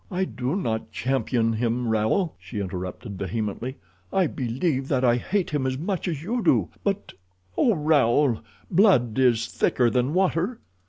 "I do not champion him, Raoul," she interrupted vehemently. "I believe that I hate him as much as you do, but—Oh, Raoul, blood is thicker than water."